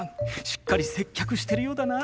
しっかり接客してるようだな。